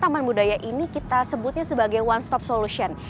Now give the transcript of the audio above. taman budaya ini kita sebutnya sebagai one stop solution